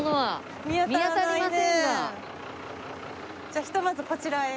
じゃあひとまずこちらへ。